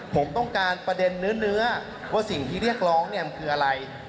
ผมต้องการประเด็นเนื้อว่าสิ่งที่เรียกร้องเนี่ยมันคืออะไร